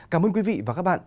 cảm ơn quý vị và các bạn